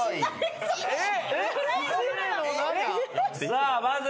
さあまず。